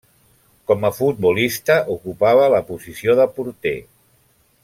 Com a futbolista, ocupava la posició de porter.